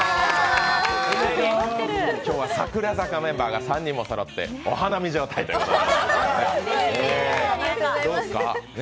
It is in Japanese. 今日は櫻坂メンバーが３人もそろってお花見状態ですね。